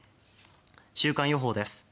週間予報です。